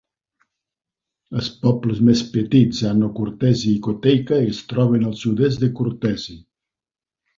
Els pobles més petits Ano Kourtesi i Kotteika es troben al sud-est de Kourtesi.